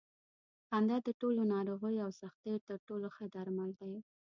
خندا د ټولو ناروغیو او سختیو تر ټولو ښه درمل دي.